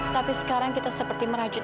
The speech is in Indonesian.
tapi sekarang kita seperti merajut